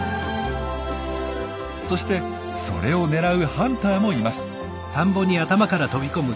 そしてそれを狙うハンターもいます。